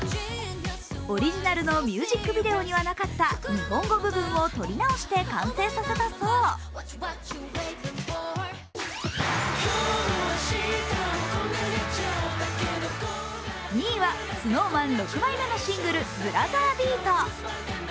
オリジナルのミュージックビデオにはなかった日本語部分を撮り直して完成させたそう。